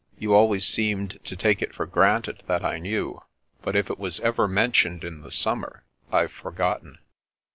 You always seemed to take it for granted that I knew; but if it was ever mentioned in the summer, I've forgotten."